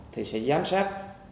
thì sẽ giám sát